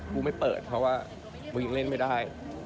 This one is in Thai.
กูไม่เปิดเพราะว่ามึงยังเล่นไม่ได้